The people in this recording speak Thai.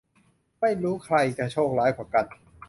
ไม่รู้ใครจะโชคร้ายกว่ากัน